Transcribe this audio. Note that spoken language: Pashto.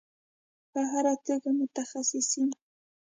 په هر توګه متخصصین